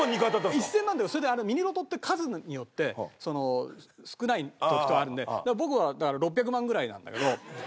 １０００万それでミニロトって数によって少ない時とかあるんで僕は６００万ぐらいなんだけど。